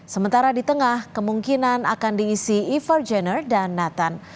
sementara di tengah kemungkinan akan diisi evergener dan nathan